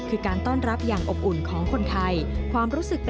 คือการต้อนรับอย่างอบอุ่นของคนไทยความรู้สึก